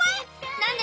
何で？